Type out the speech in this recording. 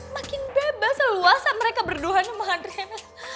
makin bebas leluasa mereka berduaan sama adriana